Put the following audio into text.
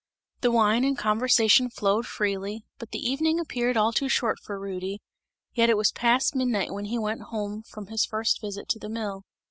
The wine and conversation flowed freely; but the evening appeared all too short for Rudy; yet it was past midnight, when he went home from his first visit to the mill.